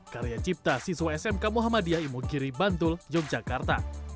karya cipta siswa smk muhammadiyah imukiri bantul yogyakarta